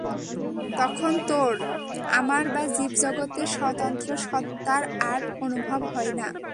তখন তোর, আমার বা জীব-জগতের স্বতন্ত্র সত্তার আর অনুভব হয় না।